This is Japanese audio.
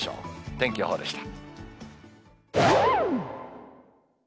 天気予報でした。